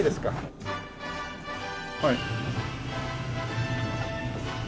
はい。